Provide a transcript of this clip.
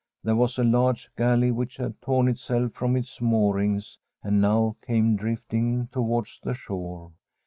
There was a large galley which had torn itself from its moor ings and now came drifting towards the shore.